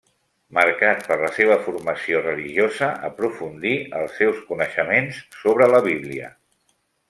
Marcat per la seva formació religiosa, aprofundí els seus coneixements sobre la Bíblia.